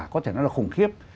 có thể nói là khủng khiếp